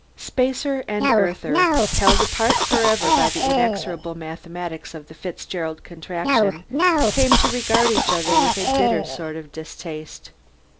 Spacer and Earther, held apart forever by the inexorable mathematics of the Fitzgerald Contraction, came to regard each other with a bitter sort of distaste.